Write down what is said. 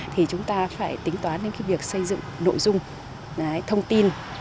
thì chúng ta phải tính toán đến cái việc xây dựng nội dung thông tin